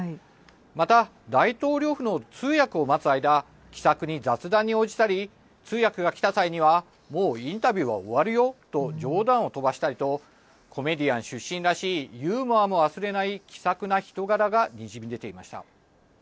また、大統領府の通訳を待つ間気さくに雑談に応じたり通訳が来た際にはもうインタビューは終わるよと冗談を飛ばしたりとコメディアン出身らしいユーモアも忘れない気さくな人柄がにじみ出ていました。